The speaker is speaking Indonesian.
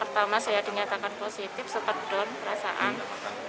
pertama saya dinyatakan positif sepedon perasaan